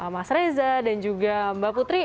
mas reza dan juga mbak putri